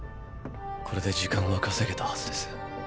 これで時間は稼げたはずです。